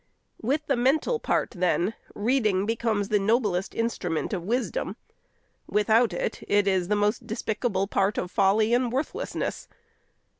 With the mental part, then, reading becomes the noblest instrument of wisdom ; without it, it is the most despicable part of folly and worthlessness.